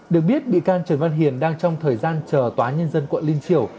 được biết bị can trần văn hiền đang trong thời gian chờ tòa nhân dân quận liên triều